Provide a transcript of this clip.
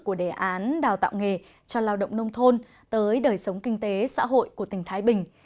của đề án đào tạo nghề cho lao động nông thôn tới đời sống kinh tế xã hội của tỉnh thái bình